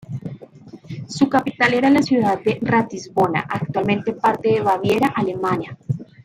Su capital era la ciudad de Ratisbona, actualmente parte de Baviera, Alemania.